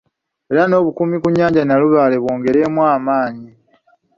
Era n'obukuumi ku nyanja Nnalubaale bwongerwemu amaanyi.